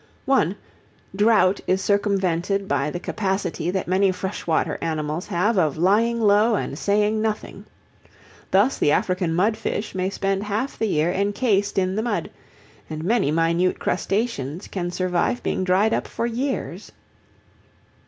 (1) Drought is circumvented by the capacity that many freshwater animals have of lying low and saying nothing. Thus the African mudfish may spend half the year encased in the mud, and many minute crustaceans can survive being dried up for years.